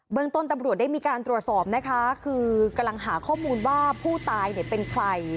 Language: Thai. เมืองต้นตำรวจได้มีการตรวจสอบนะคะคือกำลังหาข้อมูลว่าผู้ตายเนี่ยเป็นใคร